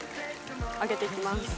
上げていきます。